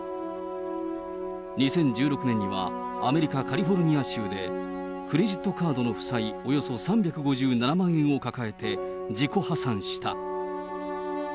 ２０１６年にはアメリカ・カリフォルニア州で、クレジットカードの負債およそ３５７万円を抱えて自己破産した。